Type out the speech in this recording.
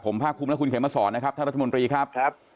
ผมภาคคุมและคุณเขมสอนท่านรัฐมนตรีครับ